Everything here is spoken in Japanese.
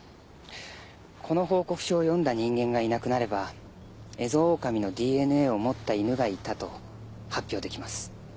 この報告書を読んだ人間がいなくなればエゾオオカミのＤＮＡを持った犬がいたと発表できます。